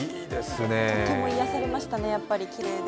とっても癒やされましたね、きれいで。